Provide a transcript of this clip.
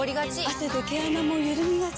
汗で毛穴もゆるみがち。